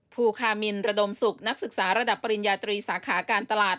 ภูคามินระดมศุกร์นักศึกษาระดับปริญญาตรีสาขาการตลาด